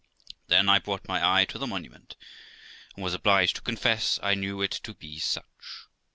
Then I brought my eye to the Monument, and was obliged to confess I knew it to be such.